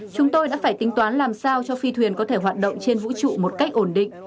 chúng tôi đã phải tính toán làm sao cho phi thuyền có thể hoạt động trên vũ trụ một cách ổn định